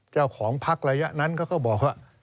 เจ้าของพักระยะนั้นเขาก็บอกว่า